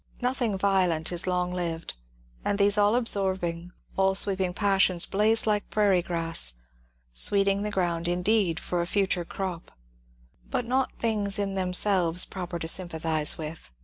Nothing violent is long lived, and these all absorbing, all sweeping passions blaze like prairie grass, sweeting the ground, indeed, for a future crop, — but not things in themselves proper to sympathize with.